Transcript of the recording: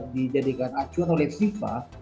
dijadikan acuan oleh viva